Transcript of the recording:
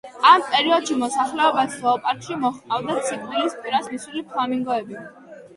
ამ პერიოდში მოსახლეობას ზოოპარკში მოჰყავდათ სიკვდილის პირას მისული ფლამინგოები.